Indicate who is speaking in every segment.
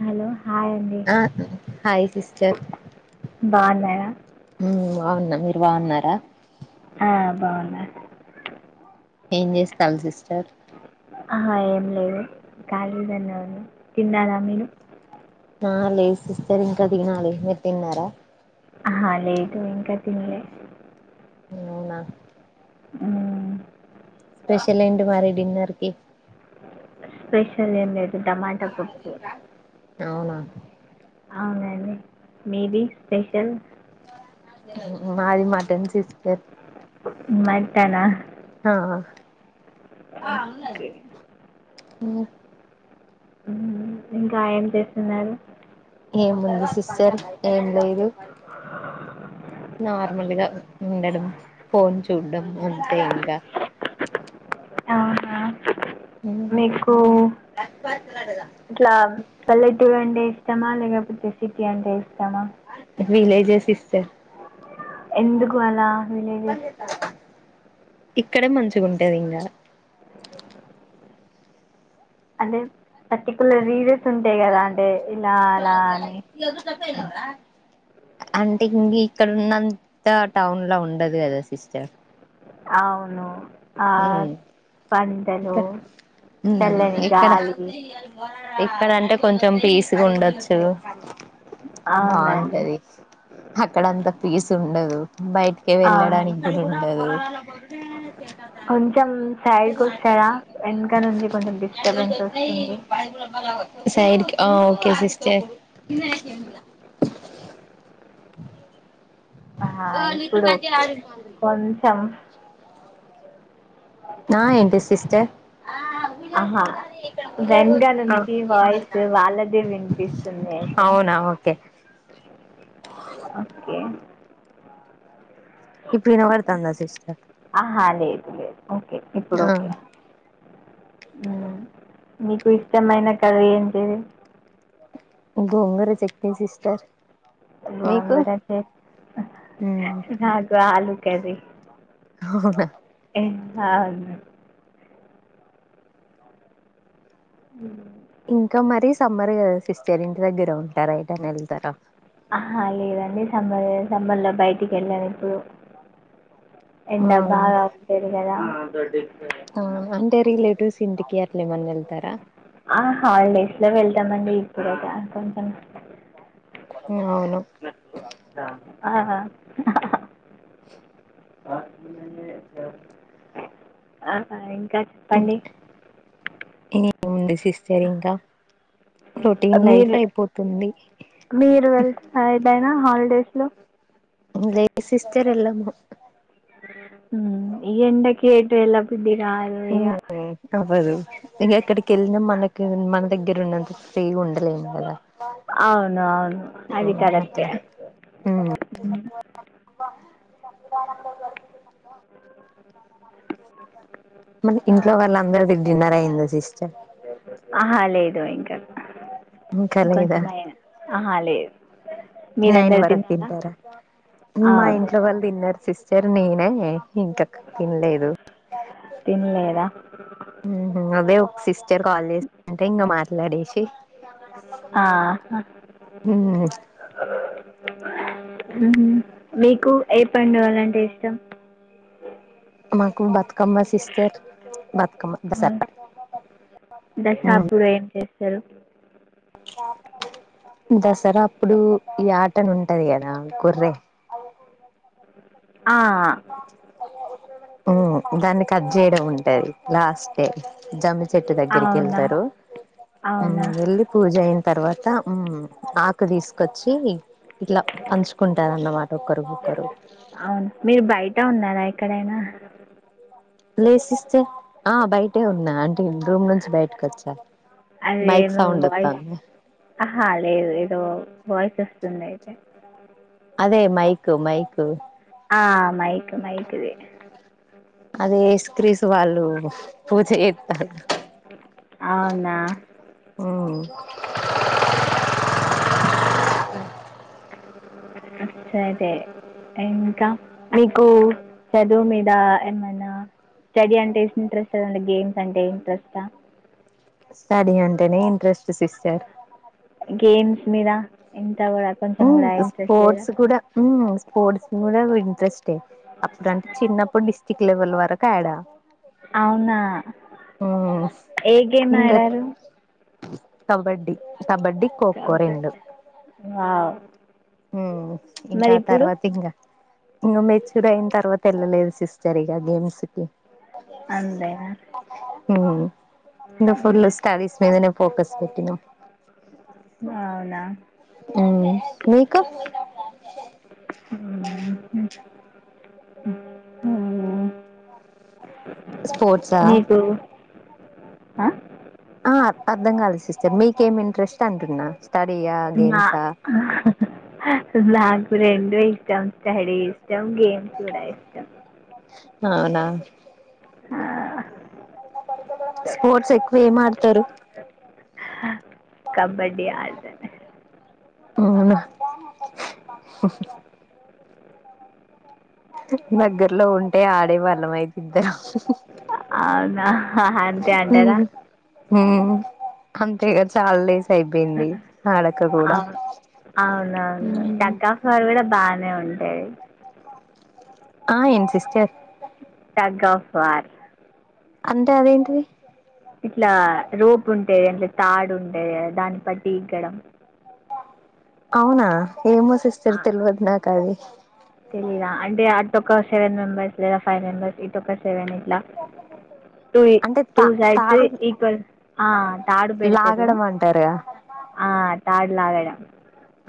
Speaker 1: Hello hi అండి
Speaker 2: ఆ hi sister
Speaker 1: బాగున్నారా
Speaker 2: హ్మ్మ్ బావున్నా మీరు బాగున్నారా
Speaker 1: హా బాగున
Speaker 2: ఏం చేస్తావ్ సిస్టర్
Speaker 1: ఆ ఏం లేదు ఖాళీ గానే ఉండి తిన్నారా మీరు
Speaker 2: న లేదు సిస్టర్ ఇంకా తినాలి లేేదు మీరు తిన్నారా
Speaker 1: ఆ లేదు ఇంకా తినలే
Speaker 2: అవునా
Speaker 1: అ
Speaker 2: స్పెషల్ ఏంటి మారి డిన్నర్కి
Speaker 1: స్పెషల్ ఏం లేదు టమాట పప్పు
Speaker 2: అవునా
Speaker 1: అవునండి మీది స్పెషల్
Speaker 2: మాది మటన్ సిస్కార్
Speaker 1: మట్టనా
Speaker 2: ఆ
Speaker 1: ఒకే
Speaker 2: ఓ
Speaker 1: ఇంకా ఏం చేస్తున్నారు
Speaker 2: ఏముంది సిస్టర్ ఏం లేదు నార్మల్గా ఉండడం ఫోన్ చూడడం అంతే ఇంకా
Speaker 1: ఆహా మీకు ఇట్లా పల్లేటువెండే ఇష్టమా లేకపోతే సిటీ అంటే ఇస్తామ
Speaker 2: జేసిస్తే
Speaker 1: ఎందుకు అలా విలేజెస్
Speaker 2: ఇక్కడ మంచిగుంటది ఇంగా
Speaker 1: అదే పర్టికులర్లీ ఇడే స్తుంటాయ్ కదా అంటే ఇలా అలా అని
Speaker 2: అంటే ఇంగ్ ఇక్కడ ఉన్నంత టౌన్ లో ఉండదు గదా సిస్టర్
Speaker 1: అవును ఆ
Speaker 2: హ్మ్
Speaker 1: పంటలు
Speaker 2: ఇక్క
Speaker 1: చల్లని గాలి
Speaker 2: ఇక్కడంటే కొంచెం పీస్ గుండొచ్చు
Speaker 1: అవునండి
Speaker 2: బాగుంటది అక్కడంత పీస్ ఉండదు బయటికే
Speaker 1: అవును
Speaker 2: వెళ్ళడానికి గూడుందు
Speaker 1: కొంచెం సైడ్ కొస్తారా వెనక నుంచి కొంచెం డిస్టబెన్స్ వస్తుంది
Speaker 2: సైడ్కి ఆ ఓకే సిస్టర్
Speaker 1: ఆ ఇప్పుడు ఓకే కొంచం
Speaker 2: ఆ ఇన్పిస్ సిస్టర్
Speaker 1: ఆహా వెనగ నుంచి వాయిస్ వాళ్ళదే విన్పిస్తుంది అయితే
Speaker 2: అవునా ఓకే
Speaker 1: ఓకే
Speaker 2: ఇప్పుడు ఇనబడుతందా సిస్టర్
Speaker 1: ఆహా లేదు లేదు ఓకే ఇప్పుడు
Speaker 2: ఆ
Speaker 1: ఓకే ఉమ్ మీకు ఇష్టమైన కర్రీ ఏంటిది
Speaker 2: గోంగూర చట్నీ సిస్టర్ మీకు
Speaker 1: గోంగూర చట్
Speaker 2: ఉమ్
Speaker 1: నాకు ఆలు కది
Speaker 2: అవునా
Speaker 1: ఇం హవును ఊ
Speaker 2: ఇంకా మరి సమ్మర్ కదా సిస్టర్ ఇంటి దగ్గర ఉంటారా ఎటన్నా వెళ్తారా
Speaker 1: ఆహా లేదండి సమ్మర్ సమ్మర్లో బయటికి వెళ్ళను ఎప్పుడు ఎండ బాగా వస్తది కదా దటి
Speaker 2: ఆ అంటే రిలేటివ్స్ ఇంటికి అట్ల ఏమన్నా ఎల్
Speaker 1: ఆ హాలిడేస్ లో వెళ్ వెళ్తామండి ఇప్పుడొక కొంచెం
Speaker 2: అవును
Speaker 1: ఆ ఆ ఇం ఇంకా చెప్పండి
Speaker 2: ఎముంది సిస్టర్ ఇంకా రొటీన్ లైఫ్
Speaker 1: మీరు
Speaker 2: అయిపోతుంది
Speaker 1: ఆ హాలిడేస్ లో
Speaker 2: లే సిస్టర్ ఎల్లము
Speaker 1: ఊమ్ ఈ ఎండకి ఎటు ఎల్లా బుద్ధి
Speaker 2: ఊ అవ్వదు ఇంగ ఎక్కడికి ఎళ్ళినా మన కి మన దగ్గర ఉన్నంత ఫ్రీ గ ఉండలేమ్ కదా
Speaker 1: అవును అవును అది
Speaker 2: ఊ
Speaker 1: కరెక్టే
Speaker 2: ఎట్లా ఊ
Speaker 1: ఉమ్.
Speaker 2: మనకి
Speaker 1: ఆ,
Speaker 2: ఇంట్లో వాళ్ళ అందరిది డిన్నర్ అయిం దా సిస్టర్
Speaker 1: ఆహా లేదు ఇంకా
Speaker 2: ఇంకా లేదా
Speaker 1: కొంచెమైన అహా లేదు
Speaker 2: నైన్
Speaker 1: మీరందరు
Speaker 2: వరకు
Speaker 1: తిన్నారా
Speaker 2: తింటార ఉ
Speaker 1: ఆ,
Speaker 2: మా ఇంట్లో వాళ్ళు తిన్నారు సిస్ టర్ నెనే ఇంతక్ తిన్లేదు
Speaker 1: తినలేదా
Speaker 2: ఊహు అదే ఒక సిస్టర్ కాల్ చేసింటే ఇంక మాట్లాడేసి
Speaker 1: ఆహా.
Speaker 2: ఊ
Speaker 1: ఉహు మీకు ఏ పండుగలంటే ఇష్టం
Speaker 2: మాకు బతు కమ్మ సిస్టర్ బతుకమ్మ
Speaker 1: ఆ,
Speaker 2: ఊ
Speaker 1: హలో
Speaker 2: దసరా అప్పుడు యాటనుంటది కదా గొర్రే
Speaker 1: ఆఅఆ
Speaker 2: ఊ దాన్ని కట్ చేయడం ఉంటది లాస్ట్ డే జమ్మి చెెట్టు
Speaker 1: అవునా
Speaker 2: దగ్గరికెళ్తారు ఊ
Speaker 1: అవునా
Speaker 2: వెళ్లి పూజ అయిన్ తర్వాత ఉమ్ ఆకు తీసుకొచ్చి ఇట్లా పంచుకుంటారు అన్నమాట ఒక్కరికొక్కరు
Speaker 1: ట ఉన్నారా ఎక్కడైనా
Speaker 2: ఆ బయటే ఉన్నా అన్ రూమ్ నుంచి బయటకు వచ్చా బైక్
Speaker 1: అదేమో
Speaker 2: సౌండ్
Speaker 1: వాయిస్
Speaker 2: ఒత్తాంది
Speaker 1: ఆహా లేదు ఏదో వాయిస్ వస్తుంది. అయితే
Speaker 2: అదే. Mic mic.
Speaker 1: ఆ మైక్ మైక్ ది
Speaker 2: అదే ఏసుక్రీసు వాళ్ళు పూజ జెత్తరు..
Speaker 1: అవునా అరే ఇంకా మీకు చదువు మీద ఏమైనా స్టడీ అంటే ఇంట్రెస్ట గేమ్స్ అంటే ఇంట్రెస్ట
Speaker 2: స్టడీ అంటేనే ఇంట్రెస్ట్ సిస్టర్
Speaker 1: గేమ్స్ మీద ఇం
Speaker 2: ఊ స్పోర్ట్స్ కూడా ఊ స్పోర్ట్స్ గూడా వింట్రెస్ట్ తే అప్పుడాంటే చిన్నప్పుడిస్ చిక్ లెవల్ వరకు ఆడా
Speaker 1: అవునా ఏ గేం
Speaker 2: ఇంకా
Speaker 1: ఆడారు
Speaker 2: కబడ్డీ కబడ్డీ, కొక్కో రెండు
Speaker 1: కబడ్డీ వావ్
Speaker 2: హ్మ
Speaker 1: మరి
Speaker 2: ఇంకా
Speaker 1: ఇప్పుడు
Speaker 2: తర్వాత ఇంగా ఇంగా మెచ్యూర్ అయిన తర్వాత్ తెళ్లలేదు సిస్టర్ ఇగ గేమ్స్ కి
Speaker 1: అంతేనా
Speaker 2: హ్మ ఇంగ
Speaker 1: ఉమ్.
Speaker 2: ఫుల్ స్టడీస్ మీదనే ఫోకస్ పెట్టినం
Speaker 1: అవునా
Speaker 2: హ్మ మీకు
Speaker 1: హ్మ హు హ్మ
Speaker 2: స్పోర్ట్సా
Speaker 1: ఆ
Speaker 2: ఆ అర్ధం కాలదు సిస్టర్ మీకేం ఇంట్రెస్ట్ అంటున్నా స్టడీయా
Speaker 1: నా
Speaker 2: గేమ్సా
Speaker 1: నాకు రెండు ఇష్టం స్టడీ ఇష్టం గెమ్స్ కూడా ఇష్టం
Speaker 2: అవునా
Speaker 1: ఆ
Speaker 2: స్పోర్ట్స్ ఎక్కువ ఏం మాడ్ తరు
Speaker 1: కబడ్డీ ఆడా
Speaker 2: అవునా దగ్గర్లో ఉంటే ఆడేవాళ్ళం ఐతే ఇద్దరం
Speaker 1: అవునా అంతే అంటారా
Speaker 2: హ్మ్ అంతేగా చాలా డేస్ అయిపోయింది ఆడక కూడా
Speaker 1: అవును అవునవును టగ్ ఆఫ్ వార్ కూడా బానే ఉం సరే
Speaker 2: ఆ ఏం సిస్టర్
Speaker 1: టగ్ ఆఫ్ వార్
Speaker 2: అంటే అదేంటిది
Speaker 1: ఇట్లా రోపు ఉంటే అంటే తాడు ఉంటే దాన్ని బట్టి ఎక్కడం
Speaker 2: అవునా ఏమో
Speaker 1: ఆ,
Speaker 2: సిస్టర్ తెల్వదు నాకు అది
Speaker 1: తెలీదా అం అది అటు ఒక సెవెన్ మెంబర్స్ లేదా ఫైవ్ మెంబర్స్ ఇటు ఒక సెవెన్ ఇ అలా టూ
Speaker 2: అంటే
Speaker 1: టూ
Speaker 2: తా
Speaker 1: సైడ్స్
Speaker 2: తాడు
Speaker 1: ఈక్వల్ తాడు పెడతారు
Speaker 2: లాగడం అంటారుగా
Speaker 1: తాడు లాగడం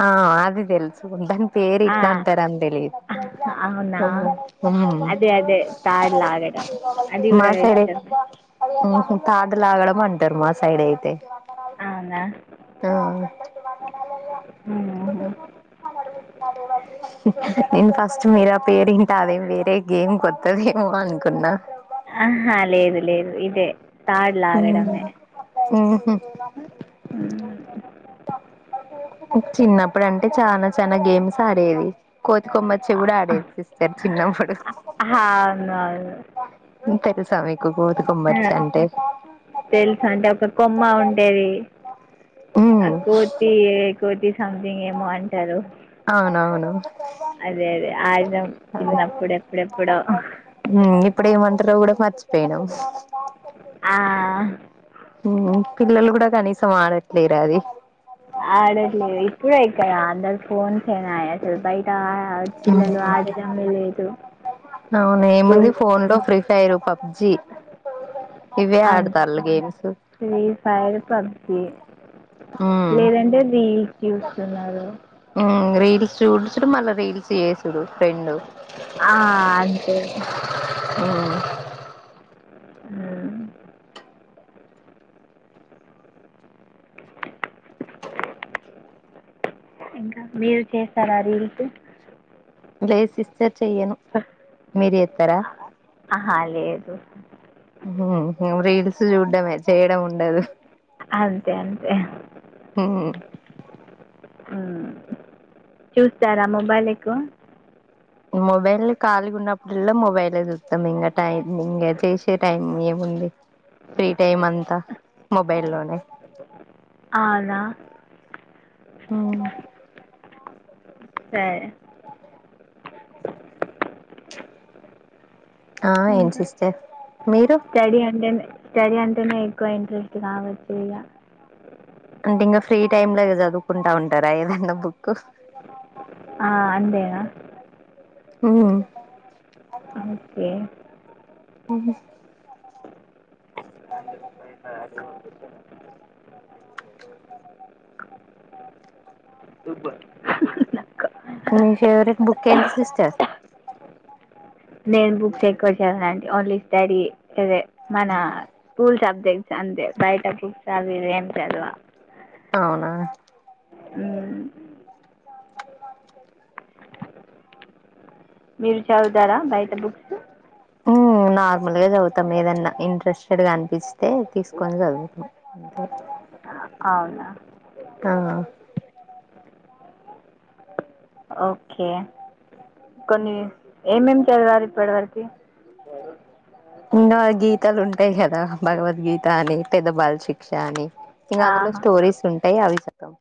Speaker 2: ఆ అది దెల్సు బన్ పేరు
Speaker 1: ఆ,
Speaker 2: ఇట్లా అంటారన్ దెలిద్
Speaker 1: అవునా
Speaker 2: హ్ హ్మ
Speaker 1: అదే అదే తాడు లాగడం అది
Speaker 2: మా
Speaker 1: కూడా
Speaker 2: సైడై త్
Speaker 1: ఇష్టమే
Speaker 2: ఉ హూ తాడులాగడం అంటారు మా సైడ్ అయితే
Speaker 1: అవునా
Speaker 2: ఆ
Speaker 1: మ్మ్.
Speaker 2: నేను ఫస్ట్ మీరా పేరింటే అదేం వేరే గేం కొత్తదేమో అనుకున్నా
Speaker 1: ఆహా లేదు లేదు ఇదే తాడు
Speaker 2: ఉమ్ ఉహ
Speaker 1: లాగడమే మ్మ్.
Speaker 2: చిన్నప్పుడు అంటే చానా చానా గేమ్స్ ఆడేది కోతి కొమ్మచ్చి కూడా ఆడేది సిస్టర్ చిన్నప్పుడు
Speaker 1: అవును అవును
Speaker 2: ఇంత రీస్ సమేగ్ కో కోతి కొమ్మోచ్
Speaker 1: అ తెలుసుా అంటే ఒక కొమ్మ ఉంటేది
Speaker 2: ఉమ్
Speaker 1: ఆ కోతి ఏ కోతి స్ సంథింగ్ ఏమో అంటరు
Speaker 2: అవునవును
Speaker 1: అదే ఆడినాం
Speaker 2: అదే
Speaker 1: చిన్నప్పుడు ఎప్పుడెప్పుడో
Speaker 2: ఉమ్ ఇప్పుడు ఏ మంటరో కూడా మార్చి పెనం
Speaker 1: అ
Speaker 2: పిల్లలు కూడా కనీసం ఆడట్లేరా అది
Speaker 1: ఆడట్లేదు ఇప్పుడ అయిక్కద అందరు ఫోన్స్ అయినాయి అసలు బయట ఆ- పిల్లలు ఆడడమే లేదు
Speaker 2: అవును ఏ ముంది ఫోన్లో ఫ్రీ ఫైరు పప్ప
Speaker 1: అ
Speaker 2: ఆడతాళ్ళు గేమ్స్
Speaker 1: శ్రీ ఫైర్ పబ్జీ
Speaker 2: ఉమ్
Speaker 1: లేదంటే వీల్ చూస్తున్నారు
Speaker 2: ఉమ్ రీల్స్ చూడి చడు మళ్ళ రీల్స్ చేసిడు రెండు
Speaker 1: ఆ, అంతే అ ఇంకా మీరు చేస్తార ఆ రీల్కు
Speaker 2: లేలై సిస్చర్ చెయ్యను మీరు ఎస్తారా
Speaker 1: ఆహా లేదు
Speaker 2: రీల్స్ చూడ్డమే చేయడం ఉండదు
Speaker 1: అంతే అంతే చూస్తారా మొబైల్ ఎక్కువ
Speaker 2: మొబైల్ ళగా ఉన్నప్పుడులో మొబైల్ చూస్తాం ఇంకా టైం ఇంకా చేసే టైం ఏముంది ఫ్రీ టైం అంతా మొబైల్ లోనే
Speaker 1: అవునా
Speaker 2: ఆ
Speaker 1: సాయే
Speaker 2: ఆ ఏంగ్
Speaker 1: ఇంకా
Speaker 2: సిస్టర్ మీరు
Speaker 1: స్టడీ అంటేనే స్టడీ అంటేనే ఎక్కువ ఇంట్రెస్ట్ కావచ్చు ఇగ
Speaker 2: అంటే ఇంకా ఫ్రీ టైమ్ ల ఇగ చదువుకుంటా ఉంటారా ఏదన్నా బుక్
Speaker 1: ఆ అంతేనా
Speaker 2: ఉహు
Speaker 1: ఆ ఓకే
Speaker 2: ఆ
Speaker 1: అయింత రూపాయి బాట్ కొను దుబ్బా
Speaker 2: మీ ఫేవరెట్ బుక్కెంటి సిస్టర్
Speaker 1: నేను బుక్స్ ఎక్కువ చదివనండి ఓన్లీ స్టడీయే అదే మన స్కూల్ సబ్జెక్ట్ అంతే బయట బుక్స్ అవి ఇవి ఏం చదవా
Speaker 2: అవునా
Speaker 1: హమ్ మీరు చదువుతారా బయట బుక్స్
Speaker 2: నార్మల్ గా చదువుతాం ఏదన్నా ఇంట్రెస్టెడ్గానిపిస్ ఎ తీసుకొని జరుగుతాం ఉ అప్ వాళ్ల అయ్య
Speaker 1: ఆ అవునా
Speaker 2: ఆ
Speaker 1: ఓకే కొన్ని ఇవి ఏం చదివార్ ఇప్పటివరకి
Speaker 2: ఎన్నో గీతాలు ఉంటాయి కదా భగవద్గీత అని పెద్ద బాల శిక్ష అని ఇంగ అందులో
Speaker 1: ఆహా
Speaker 2: స్టోరీస్ ఉం ఎ అవి సక్కగ